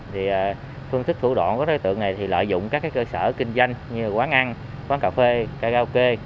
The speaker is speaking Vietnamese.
phương thức thủ đoạn của đối tượng này lợi dụng các cơ sở kinh doanh như quán ăn quán cà phê cà gao kê